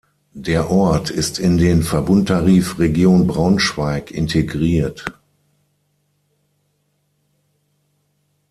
Der Ort ist in den Verbundtarif Region Braunschweig integriert.